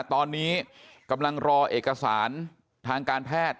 ตอนนี้กำลังรอเอกสารทางการแพทย์